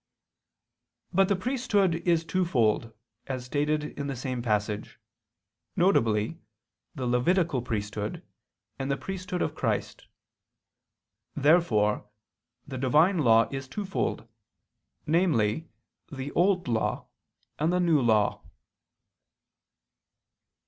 But the priesthood is twofold, as stated in the same passage, viz. the levitical priesthood, and the priesthood of Christ. Therefore the Divine law is twofold, namely the Old Law and the New Law.